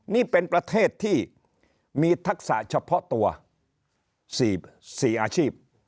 นี่เป็นประเทศที่มีทักษะเฉพาะตัว๔อาชีพ